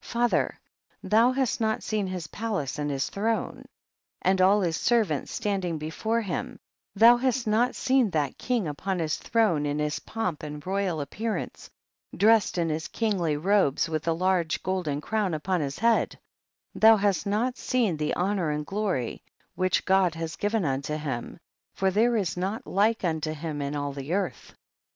13. Father, thou hast not seen his palace and his throne, and all his ser vants standing before him ; thou hast not seen that king upon his throne in his pomp and royal appearance, dressed in his kingly robes with a large golden crown upon his head ; thou hast not seen the honor and glo ry which God has given unto him, THE BOOK OF JASHER. 165 for there is not like unto him in all the earth.